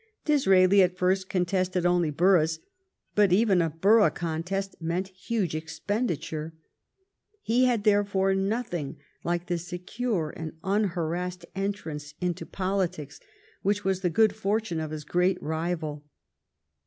Disraeli at first contested only boroughs, but even a borough contest meant huge expenditure. He had therefore nothing like the secure and unhar assed entrance into politics which was the good fortune of his great rival.